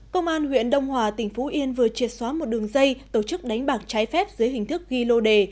công an huyện đông hòa tỉnh phú yên vừa triệt xóa một đường dây tổ chức đánh bạc trái phép dưới hình thức ghi lô đề